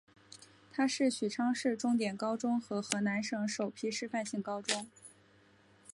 它是许昌市重点高中和河南省首批示范性高中。